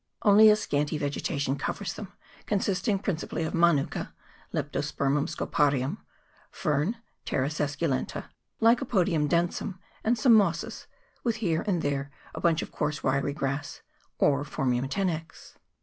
Only a scMity vegetation covers them, con CHAP. XII.] NORTHERN ISLAND. 201 sisting principally of manuka (Leptospermum sco parium), fern (Pteris esculenta), Lycopodium den sum, and some mosses, with here and there a bunch of coarse, wiry grass, or Phormium tenax.